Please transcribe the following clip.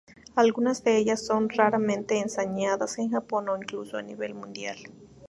Algunas de ellas son raramente enseñadas en Japón o incluso a nivel mundial.